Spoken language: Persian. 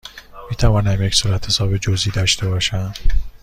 می توانم یک صورتحساب جزئی داشته باشم؟